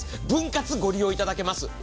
分割、ご利用いただけます。